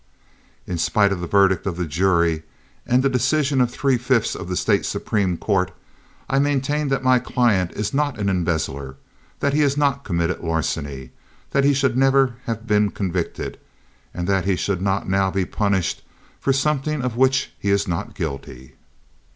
In spite of the verdict of the jury and the decision of three fifths of the State Supreme Court, I maintain that my client is not an embezzler, that he has not committed larceny, that he should never have been convicted, and that he should not now be punished for something of which he is not guilty.